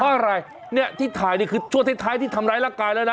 เพราะอะไรเนี่ยที่ถ่ายนี่คือช่วงท้ายที่ทำร้ายร่างกายแล้วนะ